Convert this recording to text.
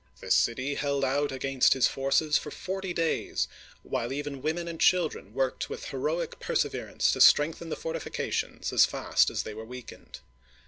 This city h^ld out against his forces for forty days, while even women and children worked with heroic perseverance to strengthen th^ fortifications as fast as they were weakened.